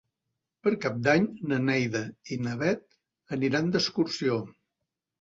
Per Cap d'Any na Neida i na Bet aniran d'excursió.